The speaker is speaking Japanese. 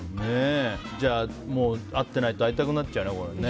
じゃあもう会ってないと会いたくなっちゃうね。